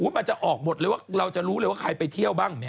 มันจะออกหมดเลยว่าเราจะรู้เลยว่าใครไปเที่ยวบ้าง